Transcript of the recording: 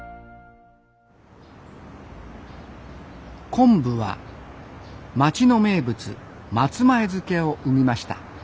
昆布は町の名物松前漬を生みました。